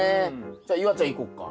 じゃ夕空ちゃんいこっか。